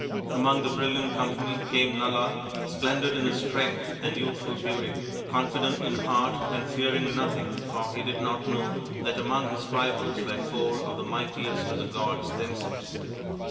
Among the brilliant company came Nala, splendid in his strength and youthful beauty, confident in heart and fearing nothing, for he did not know that among his rivals were four of the mightiest of the gods themselves.